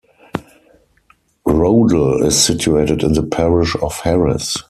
Rodel is situated in the parish of Harris.